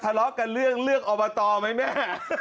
ถ้าทารกกับเรื่องเลือกเอามาต่อไหมแม่